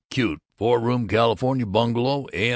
Cute four room California bungalow, a.